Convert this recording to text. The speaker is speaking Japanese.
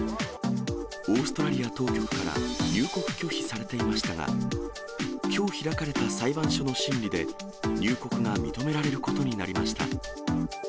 オーストラリア当局から入国拒否されていましたが、きょう開かれた裁判所の審理で、入国が認められることになりました。